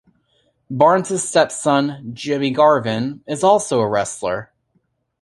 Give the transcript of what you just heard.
Barnes' stepson, Jimmy Garvin, is also a wrestler.